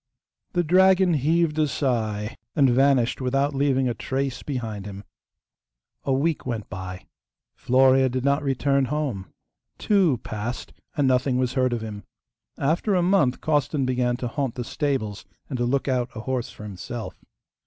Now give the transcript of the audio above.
The dragon heaved a sigh and vanished without leaving a trace behind him. A week went by. Florea did not return home. Two passed; and nothing was heard of him. After a month Costan began to haunt the stables and to look out a horse for himself.